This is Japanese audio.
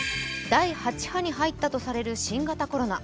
第８波に入ったとされる新型コロナ。